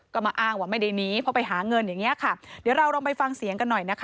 ก็มาอ้างว่าไม่ได้หนีเพราะไปหาเงินอย่างเงี้ยค่ะเดี๋ยวเราลองไปฟังเสียงกันหน่อยนะคะ